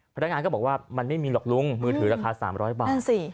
พนักงานก็บอกว่ามันไม่มีหรอกลุง